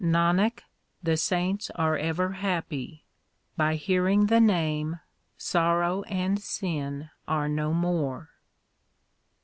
3 Nanak, the saints are ever happy. By hearing the Name sorrow and sin are no more.